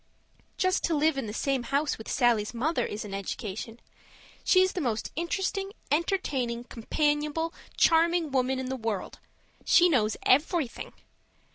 Just to live in the same house with Sallie's mother is an education. She's the most interesting, entertaining, companionable, charming woman in the world; she knows everything.